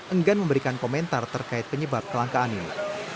enggan memberikan komentar terkait penyebab kelangkaan ini